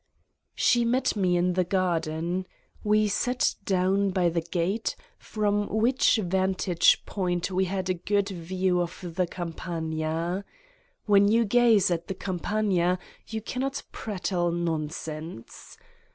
She met me in the garden. We sat down by the gate, from which vantage point we had a good view of the Campagna. When you gaze at the Campagna you cannot prattle nonsense.